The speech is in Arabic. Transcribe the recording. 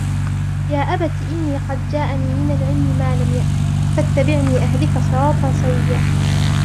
يا أبت إني قد جاءني من العلم ما لم يأتك فاتبعني أهدك صراطا سويا